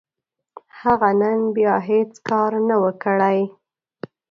هغه نن بيا هيڅ کار نه و، کړی.